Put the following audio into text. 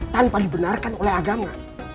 tanpa dibenarkan oleh agama